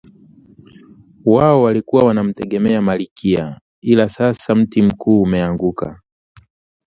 Wao walikuwa wanamtegemea Malkia ila sasa mti mkuu umeanguka